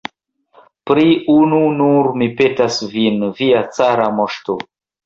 Pri unu nur mi petas vin, via cara moŝto!